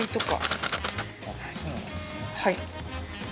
はい。